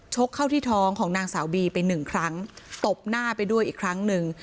กเข้าที่ท้องของนางสาวบีไปหนึ่งครั้งตบหน้าไปด้วยอีกครั้งหนึ่ง